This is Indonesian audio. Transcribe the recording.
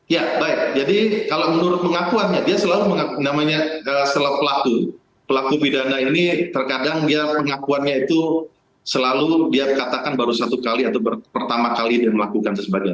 ya baik jadi kalau menurut pengakuannya dia selalu mengaku pelaku pidana ini terkadang dia pengakuannya itu selalu dia katakan baru satu kali atau pertama kali dia melakukan sesuatu